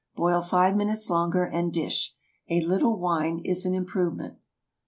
Boil five minutes longer, and dish. A little wine is an improvement.